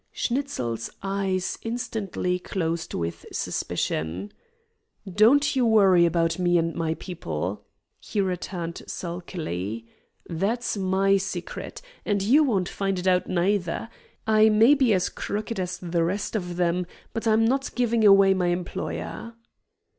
Schnitzel's eyes instantly closed with suspicion. "Don't you worry about me and my people," he returned sulkily. "That's MY secret, and you won't find it out, neither. I may be as crooked as the rest of them, but I'm not giving away my employer."